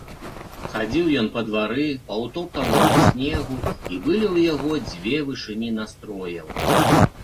Хадзіў ён па двары, па ўтоптанаму снегу, і былі ў яго дзве вышыні настрояў.